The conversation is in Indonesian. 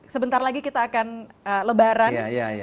sebentar lagi kita akan lebaran